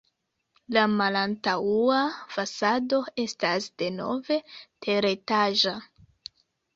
La malantaŭa fasado estas denove teretaĝa.